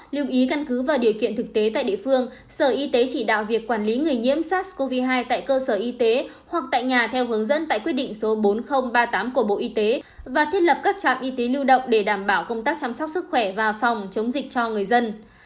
lưu ý căn cứ vào điều kiện thực tế tại địa phương sở y tế chỉ đạo việc quản lý người nhiễm sars cov hai tại cơ sở y tế hoặc tại nhà theo hướng dẫn tại quyết định số bốn nghìn ba mươi tám của bộ y tế và thiết lập các trạm y tế lưu động để đảm bảo công tác chăm sóc sức khỏe và phòng chống dịch cho người dân